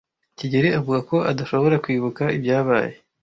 kigeli avuga ko adashobora kwibuka ibyabaye.